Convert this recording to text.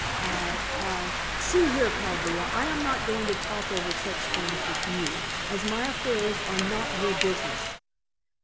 "I I see, here, Chaldea, I am not going to talk over such things with you, as my affairs are not your business."